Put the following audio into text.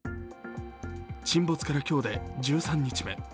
沈没から今日で１３日目。